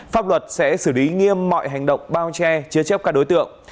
pháp luật sẽ xử lý nghiêm mọi hành động bao che chứa chép các đối tượng